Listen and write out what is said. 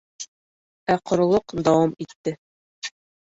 Ә ҡоролоҡ дауам итте.